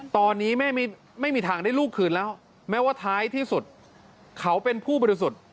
ตอนนี้แม่ไม่มีทางได้ลูกคืนแล้วแม้ว่าท้ายที่สุดเขาเป็นผู้บริสุทธิ์